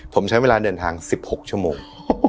ผมใช้เวลาเดินทาง๑๖ชั่วโมง